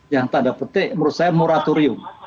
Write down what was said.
yang tanda petik menurut saya moratorium